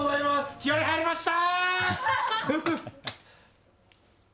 気合い入りました。